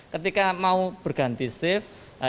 ketika mau berganti shift